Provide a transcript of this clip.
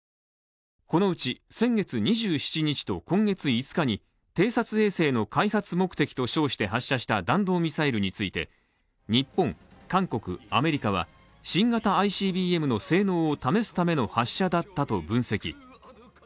このうち先月２７日と今月５日に偵察衛星の開発目的と称して発射した弾道ミサイルについて日本、韓国、アメリカは新型ＩＣＢＭの性能を試すための発射だったと分析。